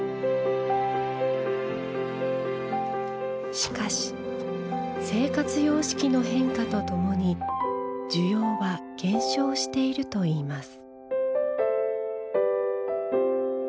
しかし生活様式の変化とともに需要は減少しているといいます。